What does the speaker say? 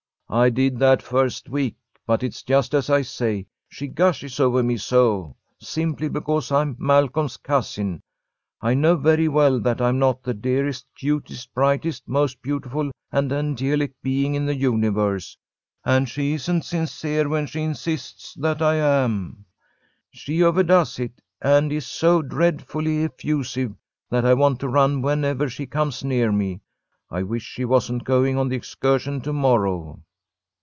"I did that first week, but it's just as I say. She gushes over me so, simply because I am Malcolm's cousin. I know very well that I am not the dearest, cutest, brightest, most beautiful and angelic being in the universe, and she isn't sincere when she insists that I am. She overdoes it, and is so dreadfully effusive that I want to run whenever she comes near me. I wish she wasn't going on the excursion to morrow."